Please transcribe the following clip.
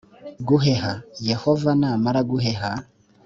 guheha: yehova namara guheha